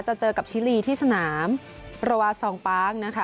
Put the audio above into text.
จะเจอกับชิลีที่สนามรวาสองปาร์กนะคะ